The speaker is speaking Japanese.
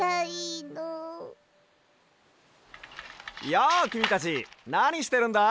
やあきみたちなにしてるんだい？